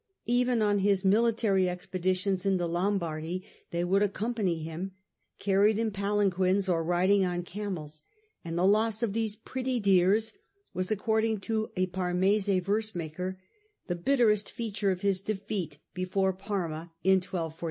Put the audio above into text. Even on his military expeditions into Lombardy they would accompany him, carried in palanquins or riding on camels, and the loss of these " pretty dears " was, according to a Parmese verse maker, the bitterest feature of his defeat before Parma in 1 248.